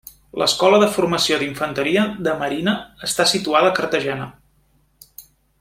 L'escola de Formació d'Infanteria de marina està situada a Cartagena.